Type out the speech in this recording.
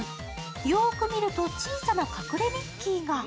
よーく見ると小さな隠れミッキーが。